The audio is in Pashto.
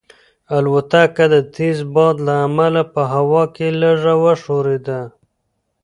الوتکه د تېز باد له امله په هوا کې لږه وښورېده.